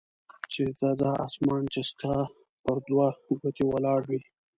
چې ځه ځه اسمان چې ستا پر دوه ګوتې ولاړ وي.